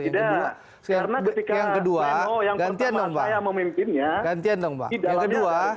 tidak karena ketika tno yang pertama saya memimpinnya di dalamnya tgpf